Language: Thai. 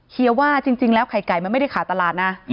ว่าจริงแล้วไข่ไก่มันไม่ได้ขาดตลาดนะ